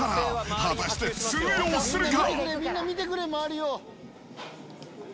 果たして、通用するか？